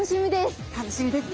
楽しみです！